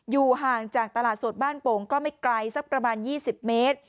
อยู่ห่างจากตลาดสดบ้านโป่งก็ไม่ไกลสักประมาณ๒๐เมตร